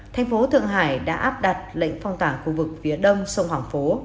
thành phố thượng hải đã áp đặt lệnh phong tỏa khu vực phía đông sông hoàng phố